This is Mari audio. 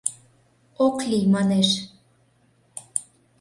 — Ок лий, манеш.